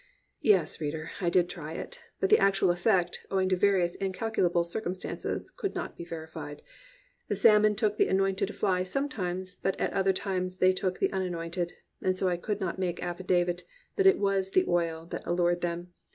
(Yes, reader, I did try it; but its actual effect, owing to various in calculable circumstances, could not be verified. The salmon took the anointed fly sometimes, but at other times they took the unanointed, and so I could not make aflidavit that it was the oil that allured them.